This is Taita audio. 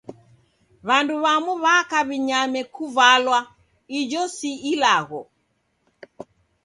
W'andu w'amu w'aka w'inyame kuvalwa--ijo si ilagho.